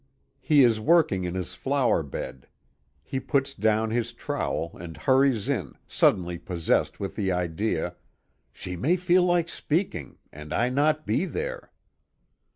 He is working in his flower bed. He puts down his trowel and hurries in, suddenly possessed with the idea "She may feel like speaking, and I not be there."